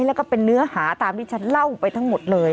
แล้วก็เป็นเนื้อหาตามที่ฉันเล่าไปทั้งหมดเลย